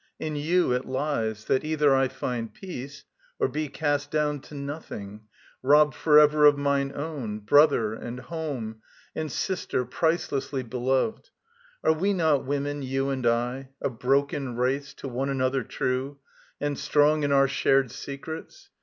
In you it lies, That either I find peace, or be cast down To nothing, robbed for ever of mine own Brother, and home, and sister pricelessly Beloved. Are we not women, you and I, A broken race, to one another true, And strong in our shared secrets?